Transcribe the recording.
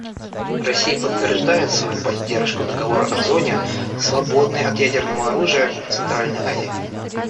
Россия подтверждает свою поддержку Договора о зоне, свободной от ядерного оружия, в Центральной Азии.